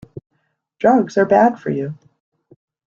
Drugs are bad for you.